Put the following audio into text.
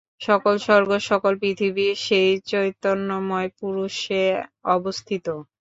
সকল স্বর্গ, সকল পৃথিবী সেই চৈতন্যময় পুরুষে অবস্থিত।